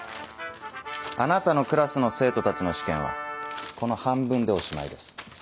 あなたのクラスの生徒たちの試験はこの半分でおしまいです。